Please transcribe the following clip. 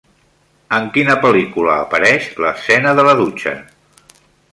En quina pel·lícula apareix l'escena de la dutxa?